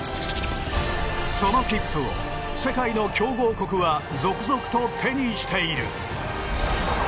その切符を、世界の強豪国は続々と手にしている。